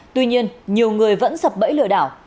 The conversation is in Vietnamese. tuy nhiên nhiều người vẫn sập bẫy lừa đảo